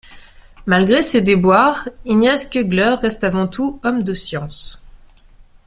Malgré ces déboires Ignaz Kögler reste avant tout homme de science.